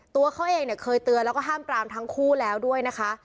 ตัวเขาเองเนี่ยเคยเตือนแล้วก็ห้ามปรามทั้งคู่แล้วด้วยนะคะ